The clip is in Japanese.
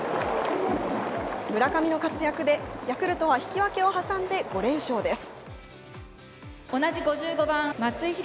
村上の活躍でヤクルトは引き分けを挟んで、５連勝です。